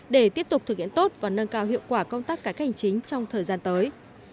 để tiếp tục thực hiện tốt và nâng cao hiệu quả công tác cải cách hành chính trong thời gian tới